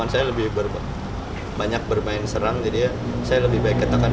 saya lebih banyak bermain serang jadi ya saya lebih baik katakan